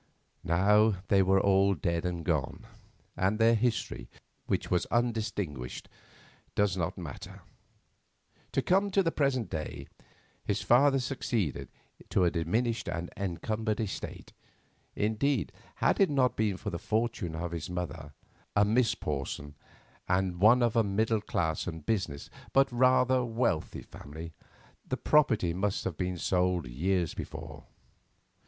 Now they were all dead and gone, and their history, which was undistinguished, does not matter. To come to the present day. His father succeeded to a diminished and encumbered estate; indeed, had it not been for the fortune of his mother, a Miss Porson and one of a middle class and business, but rather wealthy family, the property must have been sold years before.